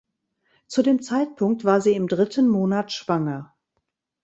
Zu dem Zeitpunkt war sie im dritten Monat schwanger.